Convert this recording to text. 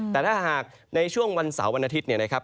แต่ถ้าหากในช่วงวันเสาร์วันอาทิตย์เนี่ยนะครับ